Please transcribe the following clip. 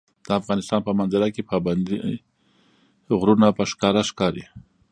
د افغانستان په منظره کې پابندي غرونه په ښکاره ښکاري.